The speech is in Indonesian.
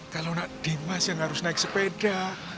kalau dimas yang harus naik sepeda